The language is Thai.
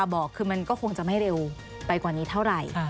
บอกคือมันก็คงจะไม่เร็วไปกว่านี้เท่าไหร่